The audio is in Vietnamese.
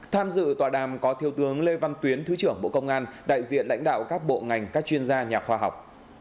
tham dự tọa đàm có thiếu tướng lê văn tuyến thứ trưởng bộ công an đại diện lãnh đạo các bộ ngành các chuyên gia nhà khoa học